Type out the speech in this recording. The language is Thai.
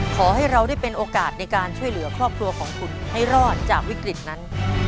ขอให้เราได้เป็นโอกาสในการช่วยเหลือครอบครัวของคุณให้รอดจากวิกฤตนั้น